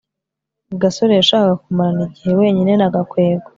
gasore yashakaga kumarana igihe wenyine na gakwego